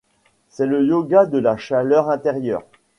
C'est le yoga de la chaleur intérieure.